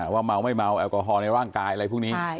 ว่าเมาไม่เมาแอลกอฮอลในร่างกายอะไรพวกนี้